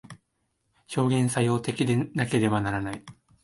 表現作用的でなければならない。